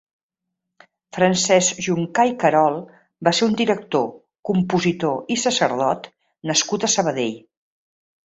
Francesc Juncà i Carol va ser un director, compositor i sacerdot nascut a Sabadell.